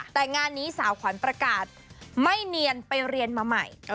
แต่งานนี้สาวขวัญประกาศไม่เนียนไปเรียนมาใหม่